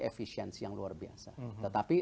efisiensi yang luar biasa tetapi